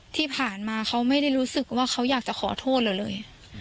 ที่ผ่านมาเขาไม่ได้รู้สึกว่าเขาอยากจะขอโทษเราเลย